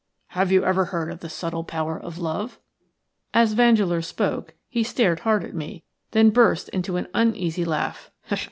"Have you ever heard of the subtle power of love?" As Vandeleur spoke he stared hard at me, then burst into an uneasy laugh.